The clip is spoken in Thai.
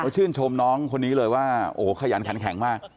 คุณผู้ชมคนนี้เลยว่าโอ้โหขยันแข็งมาก